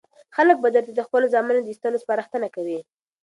خلک به درته د خپلو زامنو د ایستلو سپارښتنه کوي.